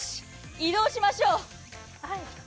移動しましょう。